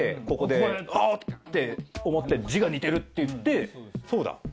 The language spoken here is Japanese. ここで「あ！」って思って字が似てるって言ってそうだ。